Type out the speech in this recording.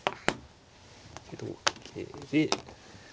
で同桂で。